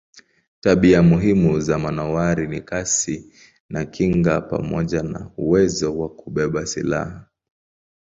Tabia muhimu za manowari ni kasi na kinga pamoja na uwezo wa kubeba silaha.